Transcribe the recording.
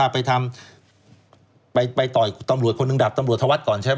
ไปทำไปต่อยตำรวจคนหนึ่งดาบตำรวจธวัฒน์ก่อนใช่ไหม